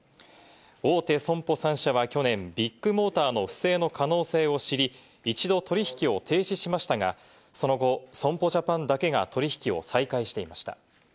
大手損保３社は、去年、ビッグモーターの不正の可能性を知り、一度、取り引きを停止しましたが、その後、損保ジャパンだけが取引を再開していました。